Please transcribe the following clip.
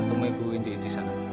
teman ibu indi di sana